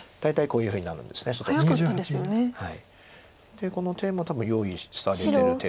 でこの手も多分用意されてる手。